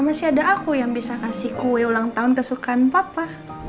masih ada aku yang bisa kasih kue ulang tahun kesukaan papa